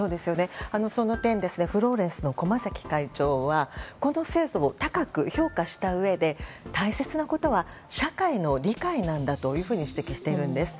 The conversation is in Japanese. その点、フローレンスの駒崎会長はこの制度を高く評価したうえで大切なことは社会の理解なんだというふうに指摘しているんです。